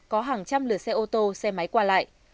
có hàng trăm lượt xe ô tô xe máy qua lại